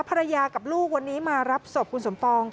ภรรยากับลูกวันนี้มารับศพคุณสมปอง